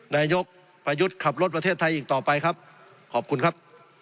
นายกประยุทธ์ขับรถประเทศไทยอีกต่อไปครับขอบคุณครับ